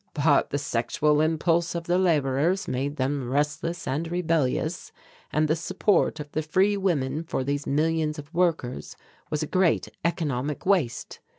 "But the sexual impulse of the labourers made them restless and rebellious, and the support of the free women for these millions of workers was a great economic waste.